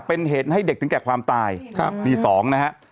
เป็นเหตุให้เด็กถึงแก่ความตายครับนี่สองนะฮะ